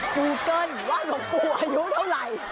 กูเกิ้ลว่าหลวงปู่อายุเท่าไหร่